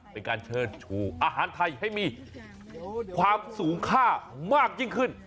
เป็นการเชิดชูอาหารไทยให้มีความสูงค่ามากยิ่งขึ้น